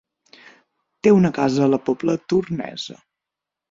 Té una casa a la Pobla Tornesa.